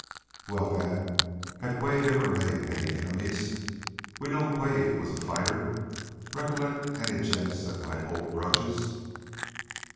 "Well, then, had Quade ever made many enemies? We know Quade was a fighter. Recollect any gents that might hold grudges?"